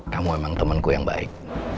kamu memang temanku yang baik